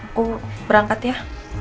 aku berangkat ya